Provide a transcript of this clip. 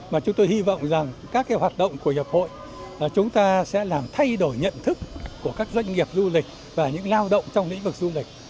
mà chúng tôi hy vọng rằng các hoạt động của nhập hội chúng ta sẽ làm thay đổi nhận thức của các doanh nghiệp du lịch và những lao động trong lĩnh vực du lịch